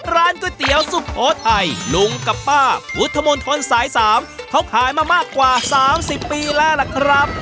ร้านก๋วยเตี๋ยวสุโขทัยลุงกับป้าพุทธมนตรสาย๓เขาขายมามากกว่า๓๐ปีแล้วล่ะครับ